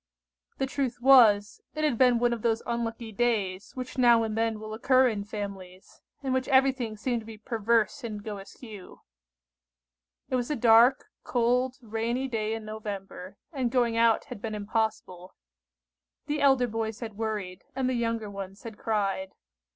The truth was, it had been one of those unlucky days which now and then will occur in families, in which everything seemed to be perverse and go askew. It was a dark, cold, rainy day in November, and going out had been impossible. The elder boys had worried, and the younger ones had cried.